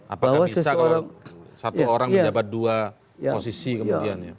apakah bisa kalau satu orang menjabat dua posisi kemudian ya